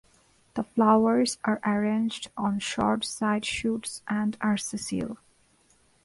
The flowers are arranged on short side shoots and are sessile.